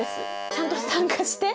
ちゃんと参加して。